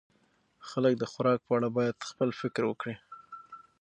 خلک د خوراک په اړه باید خپل فکر وکړي.